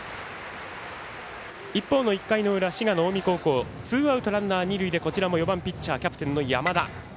一方の１回の裏滋賀の近江高校ツーアウト、ランナー、二塁でこちらも４番ピッチャー、キャプテンの山田。